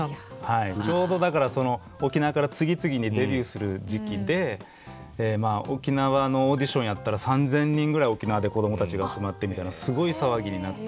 ちょうどだから沖縄から次々にデビューする時期で沖縄のオーディションやったら３，０００人ぐらい沖縄で子どもたちが集まってみたいなすごい騒ぎになっていたので。